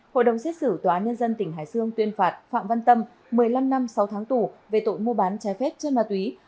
hội đồng xét xử tòa án nhân dân tỉnh hải dương tuyên phạt phạm văn tâm một mươi năm năm sáu tháng tù về tội mua bán trái phép chân ma túy